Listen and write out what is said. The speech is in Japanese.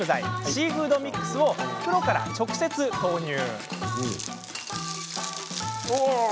シーフードミックスを袋から直接、投入。